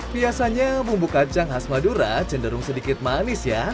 biasanya bumbu kacang khas madura cenderung sedikit manis ya